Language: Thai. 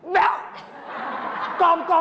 เมลล์